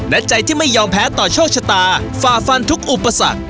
และใจที่ไม่ยอมแพ้ต่อโชคชะตาฝ่าฟันทุกอุปสรรค